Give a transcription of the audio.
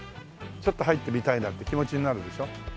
ちょっと入ってみたいなって気持ちになるでしょ？